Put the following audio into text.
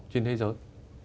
trên thế giới